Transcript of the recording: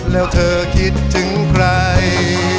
แล้วเธอคิดถึงใคร